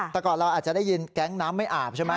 แต่ก่อนเราอาจจะได้ยินแก๊งน้ำไม่อาบใช่ไหม